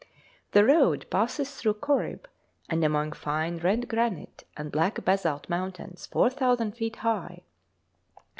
The road passes through Korib, and among fine red granite and black basalt mountains, 4,000 feet high.